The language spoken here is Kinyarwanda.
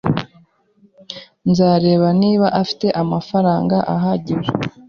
Nzareba niba afite amafaranga ahagije.